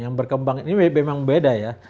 yang berkembang ini memang beda ya